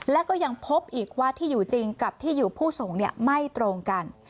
และก็ยังพบอีกว่าที่อยู่จริงกับที่อยู่ผู้ส่งไม่ตรงกัน